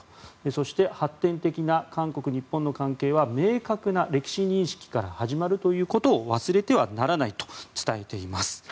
そして、発展的な韓国、日本の関係は明確な歴史認識から始まるということを忘れてはならないと伝えています。